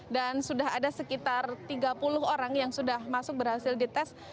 dan sudah ada sekitar tiga puluh orang yang sudah masuk berhasil di tes